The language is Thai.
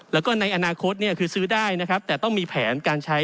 แล้วก็ในอนาคตเนี่ยคือซื้อได้นะครับแต่ต้องมีแผนการใช้